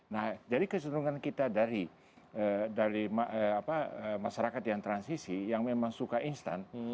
nah jadi keserungan kita dari masyarakat yang transisi yang memang suka instan